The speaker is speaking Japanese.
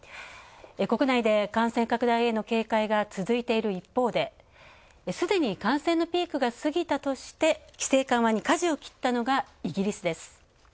国内で感染拡大への警戒が続いている一方で、すでに感染のピークが過ぎたとして規制緩和にかじを切ったのがイギリスです。